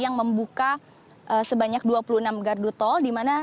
yang membuka sebanyak dua puluh enam gardu tol